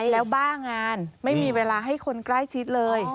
แล้วบ้างานไม่มีเวลาให้คนใกล้ชิดเลย